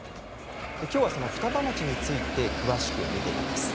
きょうは双葉町について詳しく見ていきます。